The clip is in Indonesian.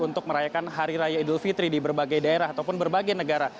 untuk merayakan hari raya idul fitri di berbagai daerah ataupun berbagai negara